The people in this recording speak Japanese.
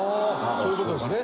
そういう事ですね。